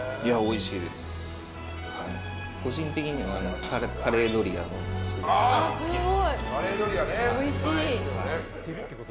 個人的にはカレードリアもすごく好きです。